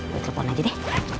dari telpon aja deh